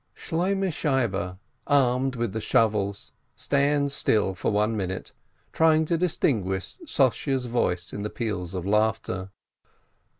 Shloimehle Shieber, armed with the shovels, stands still for a minute trying to distinguish Sossye's voice in the peals of laughter.